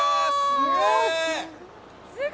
すごい。